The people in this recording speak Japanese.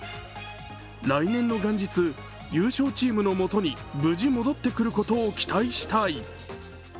来年の元日、優勝チームの元に無事戻ってくることを期待したい。